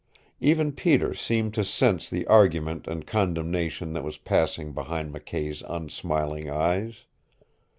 Even Peter seemed to sense the argument and condemnation that was passing behind McKay's unsmiling eyes.